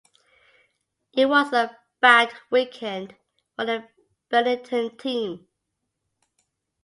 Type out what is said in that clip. It was a bad weekend for the Benetton team.